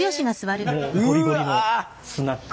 もうゴリゴリのスナック。